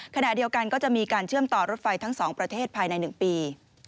ขณะเดียวกันก็จะมีการเชื่อมต่อรถไฟทั้งสองประเทศภายใน๑ปี